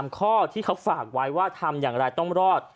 ข้อที่เขาฝากไว้ว่าทำอย่างไรต้องรอด